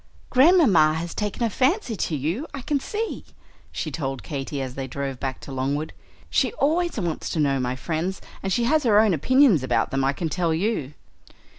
"Grandmamma has taken a fancy to you, I can see," she told Katy, as they drove back to Longwood. "She always wants to know my friends; and she has her own opinions about them, I can tell you."